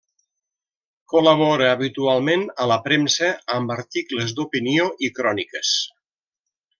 Col·labora habitualment a la premsa amb articles d'opinió i cròniques.